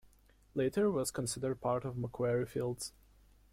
Later it was considered part of Macquarie Fields.